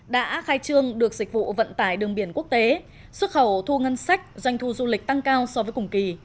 đã khai trương được dịch vụ vận tải đường biển quốc tế xuất khẩu thu ngân sách doanh thu du lịch tăng cao so với cùng kỳ